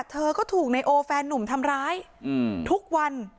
เธอก็ถูกนายโอแฟนนุ่มทำร้ายทุกวัน